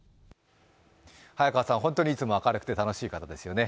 早川さん、本当にいつも明るくて楽しい方ですよね。